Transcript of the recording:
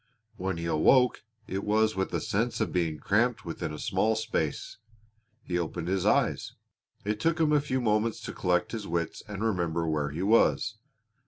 When he awoke it was with a sense of being cramped within a small space. He opened his eyes. It took him a few moments to collect his wits and remember where he was.